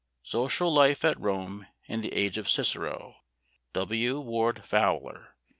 ["Social Life at Rome in the Age of Cicero." W. Ward Fowler.